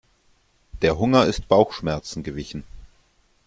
Der Hunger ist Bauchschmerzen gewichen.